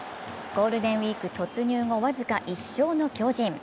ゴールデンウイーク突入後僅か１勝の巨人。